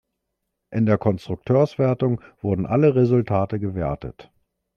In der Konstrukteurswertung wurden alle Resultate gewertet.